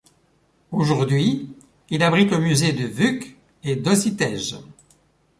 Aujourd’hui il abrite le Musée de Vuk et Dositej.